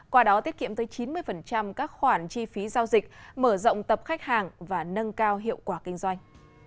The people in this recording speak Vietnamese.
qua đó tiết kiệm tới chín mươi các khoản chi phí giao dịch mở rộng tập khách hàng và nâng cao hiệu quả kinh doanh